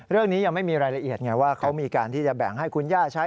เรื่องนี้ยังไม่มีรายละเอียดไงว่าเขามีการที่จะแบ่งให้คุณย่าใช้